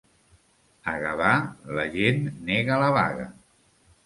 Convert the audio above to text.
A Gavà, la gent nega la vaga.